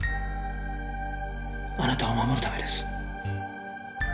あなたを守るためです。